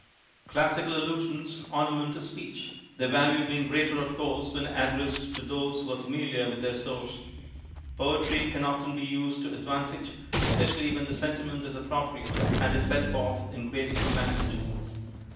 Classical allusions ornament a speech, their valuft being greater of course when addressed to INTRODUCTION those who are faiiiiliar with their source. Poetry can often be used to advantag'e, especially when the sentiment is appropriate and is set forth in graceful language.